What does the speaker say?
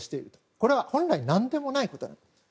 これは本来何でもないことなんです。